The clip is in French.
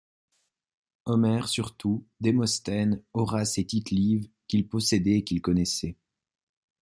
Homère surtout, Démosthène, Horace et Tite-Live, qu’il possédait et qu’il connaissait.